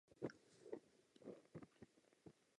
Od konce osmdesátých let se její paleta poměrně rozšířila.